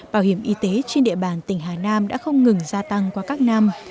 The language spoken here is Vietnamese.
bảo hiểm y tế trên địa bàn tỉnh hà nam đã không ngừng gia tăng qua các năm